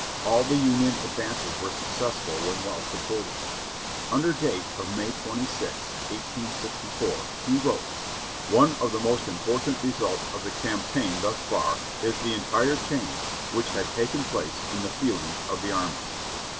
All the Union advances were successful when well supported. Under date of May 26th, 1864, he wrote: "One of the most important results of the campaign thus far is the entire change which has taken place in the feelings of the armies.